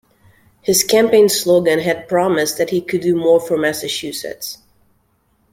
His campaign slogan had promised that he could do more for Massachusetts.